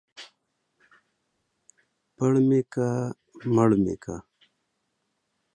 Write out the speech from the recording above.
پړ مې که ، مړ مې که.